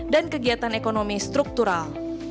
dan kegiatan ekonomi struktural